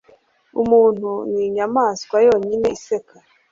Umuntu ninyamaswa yonyine iseka